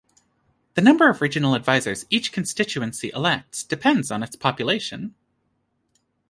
The number of regional advisors each constituency elects depends on its population.